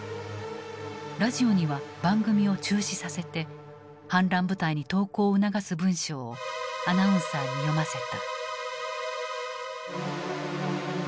ラジオには番組を中止させて反乱部隊に投降を促す文章をアナウンサーに読ませた。